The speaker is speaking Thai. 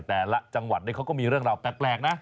แต่ละจังหวัดเขาก็มีเรื่องราวแปลกนะ